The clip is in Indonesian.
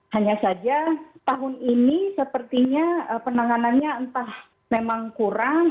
hanya saja tahun ini sepertinya penanganannya entah memang kurang